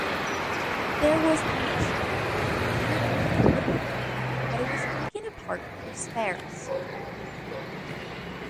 There was initially a third locomotive but it was taken apart for spares.